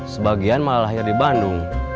sebagian mah lahir di bandung